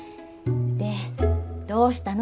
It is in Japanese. でどうしたの？